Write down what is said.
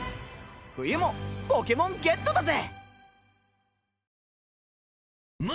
冬もポケモンゲットだぜ！